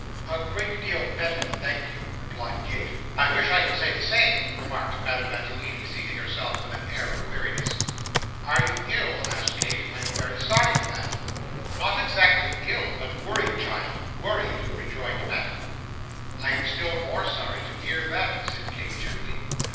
'A great deal better, thank you,' replied Kate. 'I wish I could say the same,' remarked Madame Mantalini, seating herself with an air of weariness. 'Are you ill?' asked Kate. 'I am very sorry for that.' 'Not exactly ill, but worried, child worried,' rejoined Madame. 'I am still more sorry to hear that,' said Kate, gently.